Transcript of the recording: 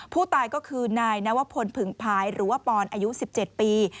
ผู้ตายก็คือนายนวพลผึงพายหรือว่าปอนอายุ๑๗ปี